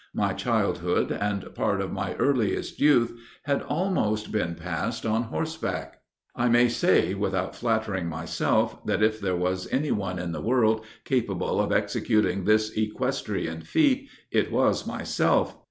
My childhood, and part of my earliest youth, had almost been passed on horseback. I may say, without flattering myself, that if there was any one in the world capable of executing this equestrian feat, it was myself.